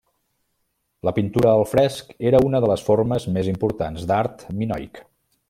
La pintura al fresc era una de les formes més importants d'art minoic.